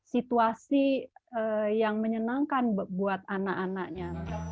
situasi yang menyenangkan buat anak anaknya